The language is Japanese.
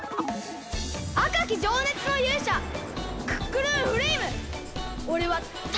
あかきじょうねつのゆうしゃクックルンフレイムおれはタイゾウ！